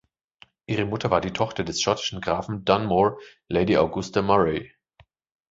Ihre Mutter war die Tochter des schottischen Grafen Dunmore, Lady Augusta Murray.